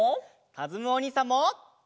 かずむおにいさんも！